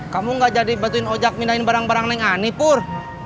kamu gak jadi bantuin ojak minahin barang barang naik aneh pur